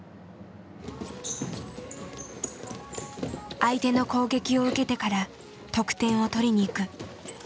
相手の攻撃を受けてから得点を取りに行く。